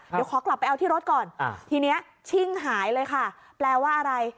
เดี๋ยวขอกลับไปเอาที่รถก่อนทีนี้ชิ่งหายเลยค่ะแปลว่าอะไร